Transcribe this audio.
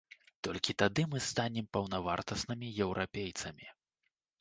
Толькі тады мы станем паўнавартаснымі еўрапейцамі.